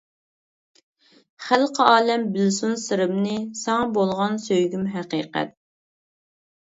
خەلقى ئالەم بىلسۇن سىرىمنى، ساڭا بولغان سۆيگۈم ھەقىقەت.